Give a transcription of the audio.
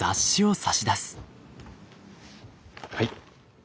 はい。